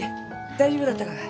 大丈夫だったがかえ？